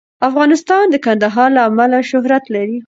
افغانستان د کندهار له امله شهرت لري.